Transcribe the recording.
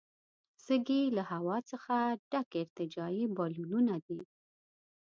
سږي له هوا څخه ډک ارتجاعي بالونونه دي.